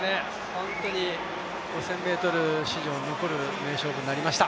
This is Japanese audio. ５０００ｍ史上に残る名勝負になりました。